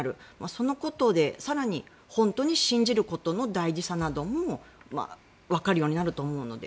そのことで更に本当に信じることの大事さなどもわかるようになると思うので。